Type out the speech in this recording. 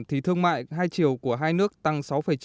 thì thương mại hai chiều của hai nước tăng sáu chín